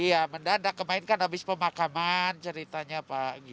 iya mendadak kemarin kan habis pemakaman ceritanya pak